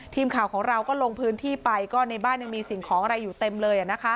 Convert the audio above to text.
ทีมข่าวของเราก็ลงพื้นที่ไปก็ในบ้านยังมีสิ่งของอะไรอยู่เต็มเลย